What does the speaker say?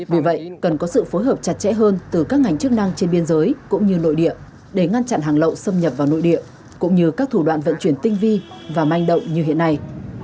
vì vậy cần có sự phối hợp chặt chẽ hơn từ các ngành chức năng trên biên giới cũng như nội địa để ngăn chặn hàng lậu xâm nhập vào nội địa cũng như các thủ đoạn vận chuyển tinh vi và manh động như hiện nay